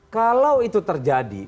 kalau itu terjadi